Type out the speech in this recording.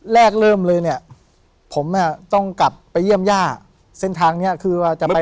แรกเริ่มเลยเนี่ยผมอ่ะต้องกลับไปเยี่ยมย่าเส้นทางเนี้ยคือว่าจะไป